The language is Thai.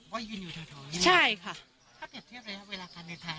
ว่ายืนอยู่ท้ายหรือเปล่าถ้าเกิดเทียบระยะเวลาการเนื้อทาง